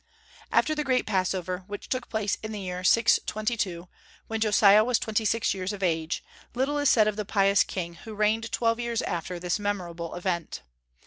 After the great Passover, which took place in the year 622, when Josiah was twenty six years of age, little is said of the pious king, who reigned twelve years after this memorable event.